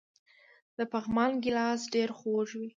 د پغمان ګیلاس ډیر خوږ وي.